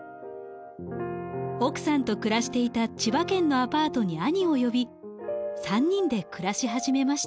奥さんと暮らしていた千葉県のアパートに兄を呼び３人で暮らし始めました。